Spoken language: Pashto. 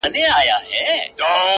-او د شپېلۍ آواز به غونډي درې وڅيرلې-